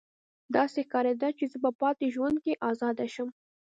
داسې ښکاریده چې زه به په پاتې ژوند کې ازاده شم